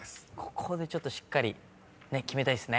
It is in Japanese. ここでちょっとしっかり決めたいっすね。